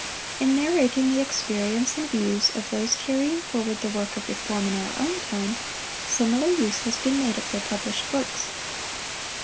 In narrating the experience and views of those carrying forward the work of reform in our own time, similar use has been made of their published works.